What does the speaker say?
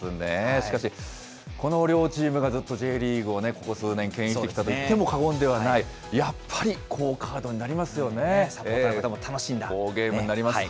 しかし、この両チームがずっとＪリーグをね、ここ数年けん引してきたと言っても過言ではない、やっぱり好カーサポーターの方も楽しんだ。